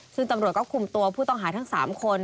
ซึ่งตำรวจก็คุมตัวผู้ต้องหาทั้ง๓คน